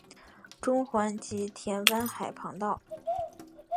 中环及田湾海旁道。